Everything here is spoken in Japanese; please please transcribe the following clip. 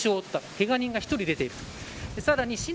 けが人が１人出ている。